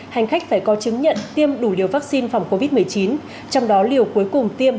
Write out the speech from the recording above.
hành khách phải có chứng nhận tiêm đủ liều vaccine phòng covid một mươi chín trong đó liều cuối cùng tiêm